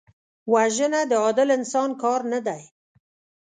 وژنه د عادل انسان کار نه دی